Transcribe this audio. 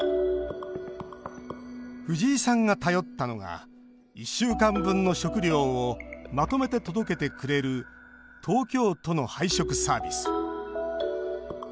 藤井さんが頼ったのが１週間分の食料をまとめて届けてくれる東京都の配食サービス。